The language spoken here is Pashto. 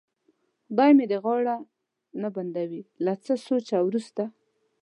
خدای مې دې غاړه نه بندوي، له څه سوچه وروسته.